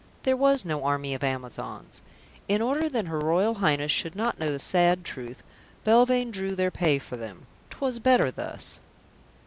There was no Army of Amazons. In order that her Royal Highness should not know the sad truth, Belvane drew their pay for them. 'Twas better thus.